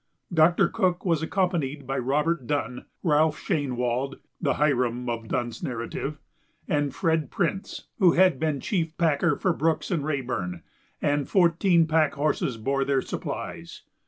Doctor Cook was accompanied by Robert Dunn, Ralph Shainwald (the "Hiram" of Dunn's narrative), and Fred Printz, who had been chief packer for Brooks and Raeburn, and fourteen pack horses bore their supplies.